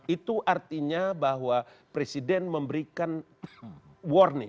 itu artinya bahwa presiden memberikan warning